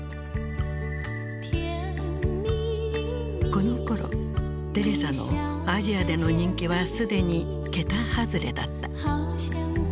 このころテレサのアジアでの人気は既に桁外れだった。